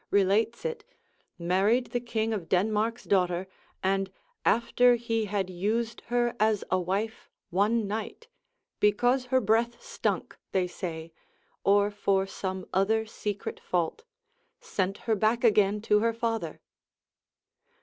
relates it, married the king of Denmark's daughter, and after he had used her as a wife one night, because her breath stunk, they say, or for some other secret fault, sent her back again to her father.